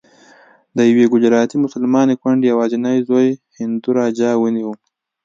د یوې ګجراتي مسلمانې کونډې یوازینی زوی هندو راجا ونیو.